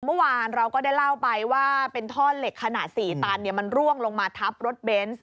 เมื่อวานเราก็ได้เล่าไปว่าเป็นท่อเหล็กขนาด๔ตันมันร่วงลงมาทับรถเบนส์